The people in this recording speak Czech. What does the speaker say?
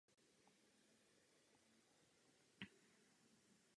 Dalším problémem, který je nutné vyřešit, je korupce.